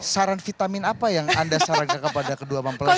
saran vitamin apa yang anda sarankan kepada kedua mempelai